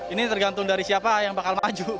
ini tergantung dari siapa yang bakal maju